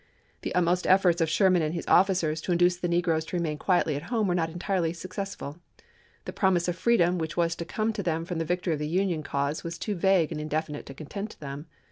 The utmost efforts of Sherman and his officers to induce the negroes to remain quietly at home were not entirely successful. The promise of freedom which was to come to them from the victory of the Union cause was too vague and indefinite to content them.